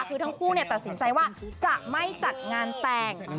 คือทั้งคู่ตัดสินใจว่าจะไม่จัดงานแต่ง